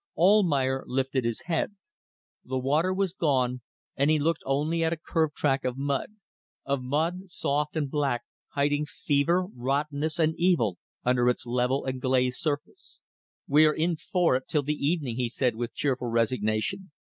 Almayer lifted his head. The water was gone, and he looked only at a curved track of mud of mud soft and black, hiding fever, rottenness, and evil under its level and glazed surface. "We are in for it till the evening," he said, with cheerful resignation.